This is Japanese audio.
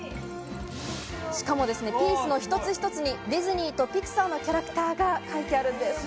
しかも、ピースの一つ一つにディズニーとピクサーのキャラクターが描いてあるんです。